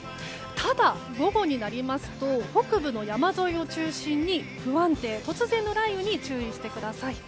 ただ、午後になりますと北部の山沿いを中心に不安定突然の雷雨に注意してください。